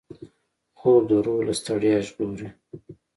خوب د روح له ستړیا ژغوري